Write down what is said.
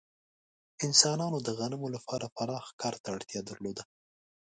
انسانانو د غنمو لپاره پراخ کار ته اړتیا درلوده.